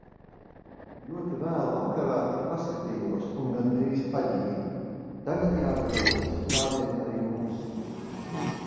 Ļoti vēlu vakarā tik paskatījos un gandrīz paģību. Tagad jāgatavojas tādiem arī mums.